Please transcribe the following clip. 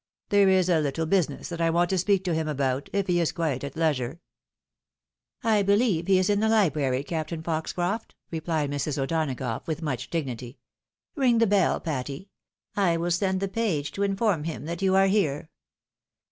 There is a little business that I want to speak to him about, if he is quite at leisure." ■ "I beheve he is in the library. Captain Foxcroft," rephed Jlrs. O'Donagough with much dignity. " King the bell, Patty. i win send the page to inform him you are here."